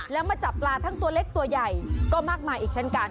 แล้วมาจับปลาทั้งตัวเล็กตัวใหญ่ก็มากมายอีกเช่นกัน